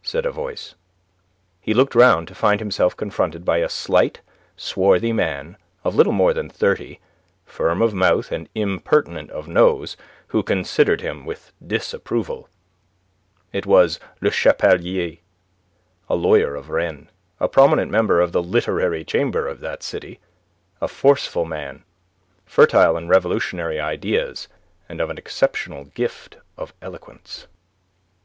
said a voice. He looked round to find himself confronted by a slight, swarthy man of little more than thirty, firm of mouth and impertinent of nose, who considered him with disapproval. It was Le Chapelier, a lawyer of Rennes, a prominent member of the Literary Chamber of that city, a forceful man, fertile in revolutionary ideas and of an exceptional gift of eloquence.